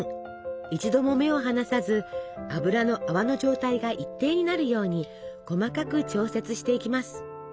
一度も目を離さず油の泡の状態が一定になるように細かく調節していきます。